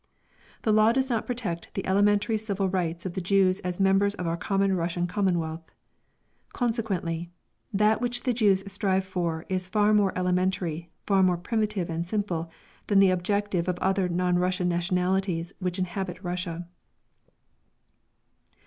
The law does not protect the elementary civil rights of the Jews as members of our common Russian commonwealth. Consequently, that which the Jews strive for is far more elementary, far more primitive and simple, than the objective of other non Russian nationalities which inhabit Russia.